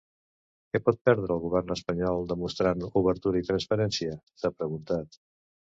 Què pot perdre el govern espanyol demostrant obertura i transparència?, s’ha preguntat.